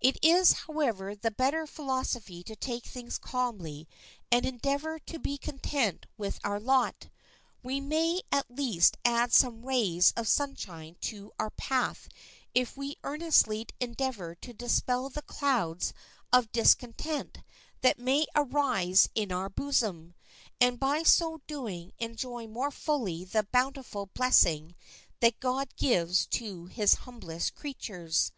It is, however, the better philosophy to take things calmly and endeavor to be content with our lot. We may at least add some rays of sunshine to our path if we earnestly endeavor to dispel the clouds of discontent that may arise in our bosom, and by so doing enjoy more fully the bountiful blessing that God gives to his humblest creatures.